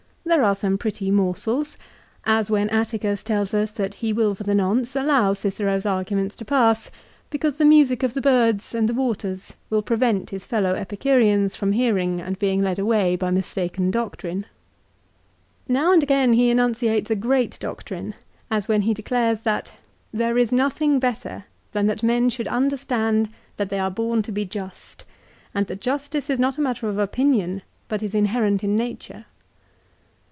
There are some pretty morsels, as when Atticus tells us that he will for the nonce allow Cicero's arguments to pass because the music of the birds and the waters will prevent his fellow Epicureans from hearing and being led away by mistaken doctrine. 1 Now and again he enunciates a great doctrine, as when he declares that " there is nothing better than that men should understand that they are born to be just, and that justice is not a matter of opinion, but is inherent in nature."